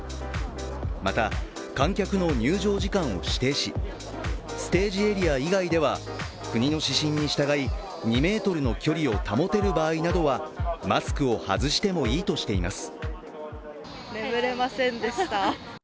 また、観客の入場時間を指定しステージエリア以外では国の指針に従い２ｍの距離を保てる場合などはマスクを外してもいいとしています。